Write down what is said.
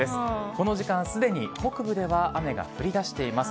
この時間、すでに北部では雨が降りだしています。